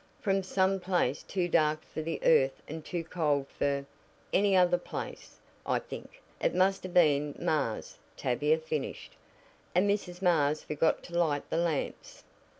"From some place too dark for the earth and too cold for any other place. I think, it must have been Mars," Tavia finished, "and Mrs. Mars forgot to light the lamps."